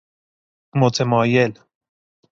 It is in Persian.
متمایل